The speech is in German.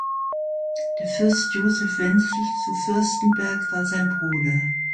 Der Fürst Joseph Wenzel zu Fürstenberg war sein Bruder.